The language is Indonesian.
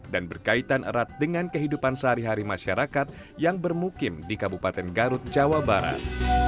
dan berkaitan erat dengan kehidupan sehari hari masyarakat yang bermukim di kabupaten garut jawa barat